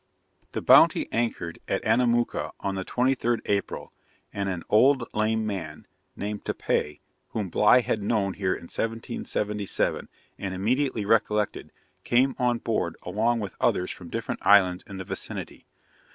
The Bounty anchored at Anamooka on the 23rd April; and an old lame man, named Tepa, whom Bligh had known here in 1777, and immediately recollected, came on board along with others from different islands in the vicinity.